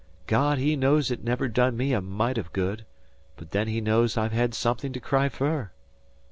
God He knows it never done me a mite o' good, but then He knows I've had something to cry fer!"